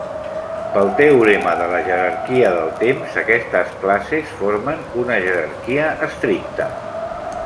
Pel teorema de la jerarquia del temps, aquestes classes formen una jerarquia estricta.